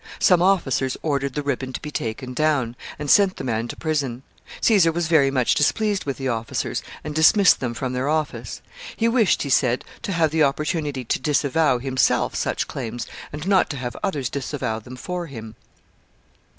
Some officers ordered the ribbon to be taken down, and sent the man to prison. Caesar was very much displeased with the officers, and dismissed them from their office. He wished, he said, to have the opportunity to disavow, himself, such claims, and not to have others disavow them for him.